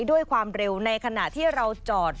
ด้วยความเร็วในขณะที่เราจอด